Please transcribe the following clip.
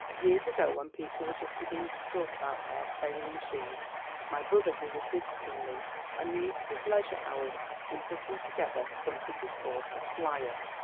Years ago when people were just beginning to talk about air sailing machines, my brother who was visiting me, amused his leisure hours in putting together something he called a 'flyer.'